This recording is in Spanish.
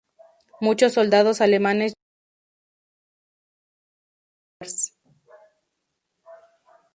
Muchos soldados alemanes llamaban coloquialmente a este fusil como "Kars".